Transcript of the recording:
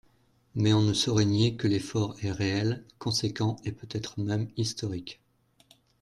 Mais on ne saurait nier que l’effort est réel, conséquent et peut-être même historique.